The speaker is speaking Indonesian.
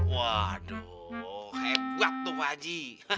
waduh hebat tuh pak haji